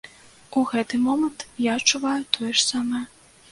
У гэты момант я адчуваю тое ж самае!